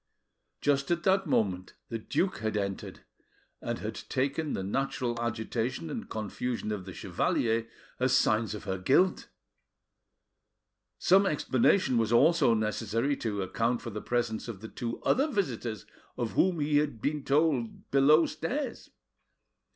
Just at that moment the duke had entered, and had taken the natural agitation and confusion of the chevalier as signs of her guilt. Some explanation was also necessary to account for the presence of the two other visitors of whom he had been told below stairs.